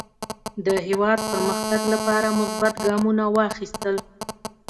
د هېواد پرمختګ لپاره مثبت ګامونه واخیستل.